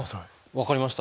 分かりました。